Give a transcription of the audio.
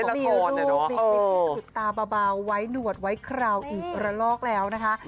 นี่สะดุดตาเบาไว้หนวดไว้คราวอีกระลอกแล้วนะคะ